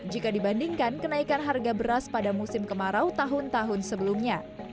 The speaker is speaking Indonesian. jika dibandingkan kenaikan harga beras pada musim kemarau tahun tahun sebelumnya